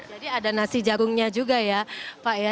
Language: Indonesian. jadi ada nasi jagungnya juga ya pak ya